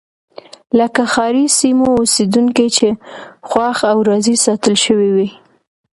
لکه ښاري سیمو اوسېدونکي چې خوښ او راضي ساتل شوي وای.